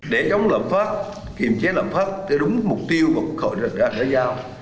để chống lãm pháp kiểm chế lãm pháp đúng mục tiêu và khởi đoạn đối giao